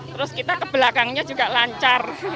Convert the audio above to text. terus kita kebelakangnya juga lancar